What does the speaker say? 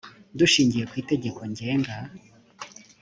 dushingiye ku itegeko ngenga